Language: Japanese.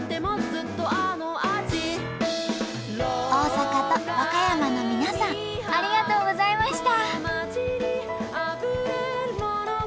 大阪と和歌山の皆さんありがとうございました。